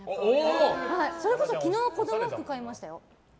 それこそ昨日子供服買いましたよ。